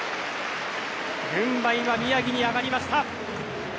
軍配は宮城に上がりました。